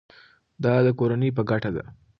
دا د کورنۍ په ګټه ده.